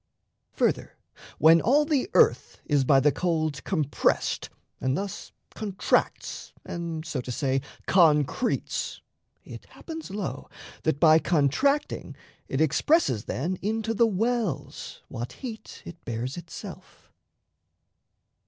Further, when all the earth Is by the cold compressed, and thus contracts And, so to say, concretes, it happens, lo, That by contracting it expresses then Into the wells what heat it bears itself.